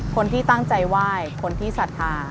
คนที่ตั้งใจไหว้คนที่ศรัทธา